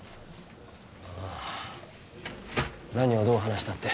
ああ何をどう話したって？